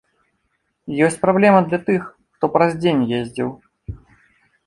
Ёсць праблема для тых, хто праз дзень ездзіў.